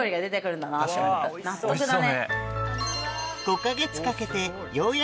納得だね。